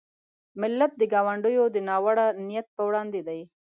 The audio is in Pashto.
ملت د ګاونډیو د ناوړه نیت په وړاندې دی.